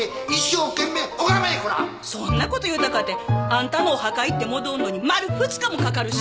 そんなこと言うたかてあんたのお墓行って戻んのに丸２日もかかるし。